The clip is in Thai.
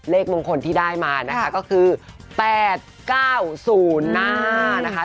เลขมงคลที่ได้มานะคะก็คือแปดเก้าศูนย์หน้านะคะ